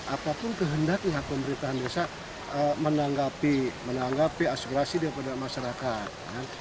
apapun kehendaknya pemerintahan desa menanggapi aspirasi daripada masyarakat